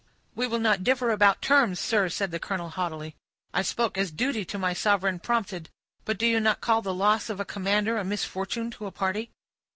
"We will not differ about terms, sir," said the colonel, haughtily. "I spoke as duty to my sovereign prompted; but do you not call the loss of a commander a misfortune to a party?"